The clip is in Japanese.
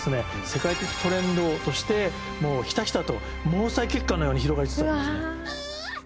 世界的トレンドとしてもうひたひたと毛細血管のように広がりつつあるんですね。